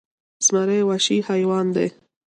زمری وخشي حیوان دې